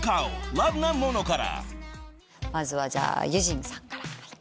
まずはユジンさんから。